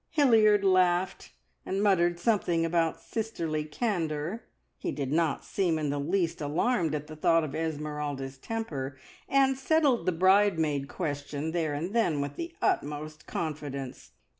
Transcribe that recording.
Hilliard laughed, and muttered something about "sisterly candour." He did not seem in the least alarmed at the thought of Esmeralda's temper, and settled the bridesmaid question there and then with the utmost confidence.